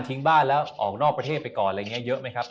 บ้านแล้วออกนอกประเทศไปก่อนอะไรอย่างนี้เยอะไหมครับ